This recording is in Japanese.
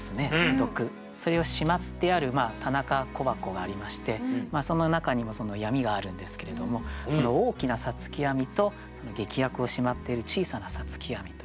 それをしまってある棚か小箱がありましてその中にも闇があるんですけれども大きな五月闇と劇薬をしまっている小さな五月闇という。